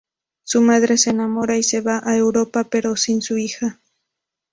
Su madre se enamora y se va a Europa pero sin su hija.